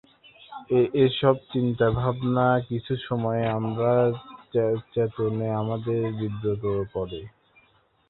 এইসব চিন্তা-ভাবনাগুলি কিছু সময়ে আমাদের চেতন মনে এসে আমাদের বিব্রত করে।